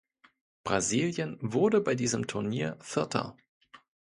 Brasilien wurde bei diesem Turnier Vierter.